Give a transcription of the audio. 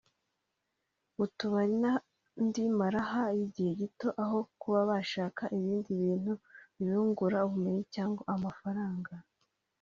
mu tubari n’andi maraha y’igihe gito aho kuba bashaka ibindi bintu bibungura ubumenyi cyangwa amafaranga